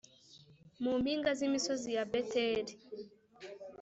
mu mpinga z’imisozi ya Beteri